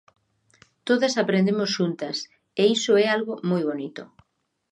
Todas aprendemos xuntas, e iso é algo moi bonito.